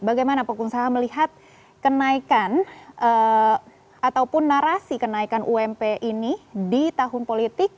bagaimana pak usaha melihat kenaikan ataupun narasi kenaikan ump ini di tahun politik